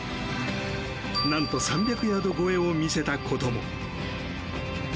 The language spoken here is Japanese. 何と３００ヤード超えを見せたことも。